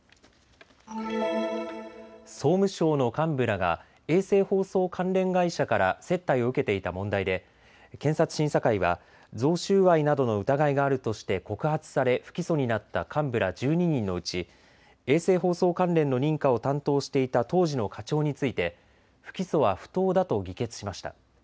総務省の幹部らが衛星放送関連会社から接待を受けていた問題で検察審査会は贈収賄などの疑いがあるとして告発され不起訴になった幹部ら１２人のうち、衛生放送関連の認可を担当していた当時の課長について不起訴は不当だと議決しました。